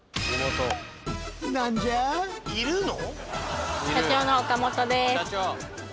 いるの？